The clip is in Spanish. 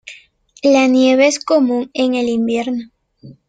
La nieve es común en el invierno.